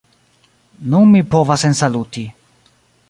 Nun mi povas ensaluti